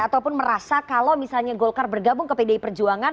ataupun merasa kalau misalnya golkar bergabung ke pdi perjuangan